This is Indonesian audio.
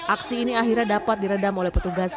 aksi ini akhirnya dapat diredam oleh petugas